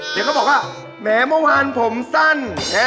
เดี๋ยวเขาบอกว่าแหมเมื่อวานผมสั้น